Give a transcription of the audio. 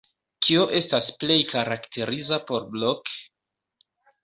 Kio estas plej karakteriza por Blok?